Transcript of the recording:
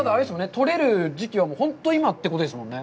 取れる時期は本当に今ということですもんね。